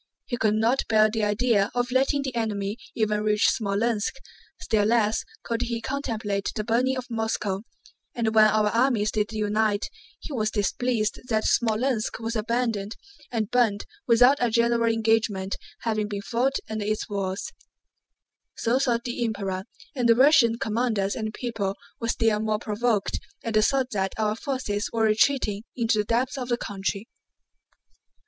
He could not bear the idea of letting the enemy even reach Smolénsk, still less could he contemplate the burning of Moscow, and when our armies did unite he was displeased that Smolénsk was abandoned and burned without a general engagement having been fought under its walls. So thought the Emperor, and the Russian commanders and people were still more provoked at the thought that our forces were retreating into the depths of the country.